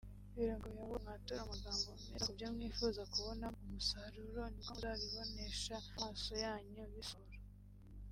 biragoye ahubwo mwature amagambo meza ku byo mwifuza kubonamo umusaruro ni bwo muzabibonesha amaso yanyu bisohora